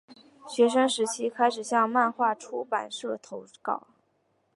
学生时期开始向漫画出版社投稿。